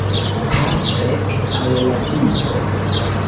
Ha fek al la vivo!